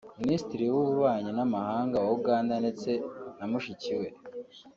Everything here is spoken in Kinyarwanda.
minisitiri w’ububanyi n’amahanga wa Uganda ndetse na mushiki we